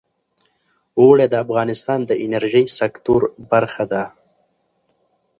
اوړي د افغانستان د انرژۍ سکتور برخه ده.